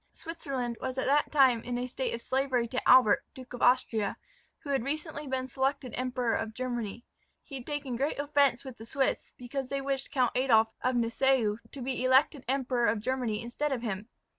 Switzerland was at that time in a state of slavery to Albert, Duke of Austria, who had recently been selected Emperor of Germany. He had taken great offence with the Swiss, because they wished Count Adolph of Nassau to be elected Emperor of Germany instead of him.